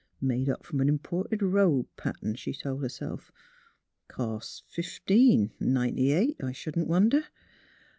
" Made up f 'om a imported robe pattern," she told herself. " Cost fifteen, ninety eight, I shouldn't wonder."